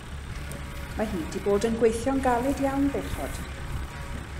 Mae hi 'di bod yn gweithio'n galed iawn bechod.